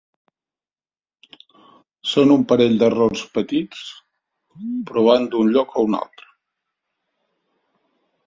Són un parell d'errors petits, però van d'un lloc a un altre.